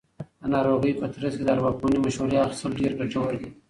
د ناروغۍ په ترڅ کې د ارواپوهنې مشورې اخیستل ډېر ګټور دي.